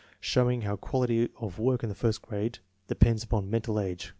SHOWING HOW QUALITY OP WORK IN THE FIRST GRADE DEPENDS UPON MENTAL AGE.